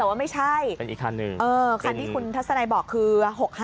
แต่ว่าไม่ใช่คันที่คุณทัศนายบอกคือ๖๕๗๗